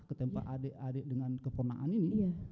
ke tempat adik adik dengan keponaan ini